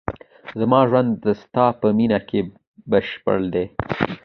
زما ژوند د ستا په مینه کې بشپړ دی.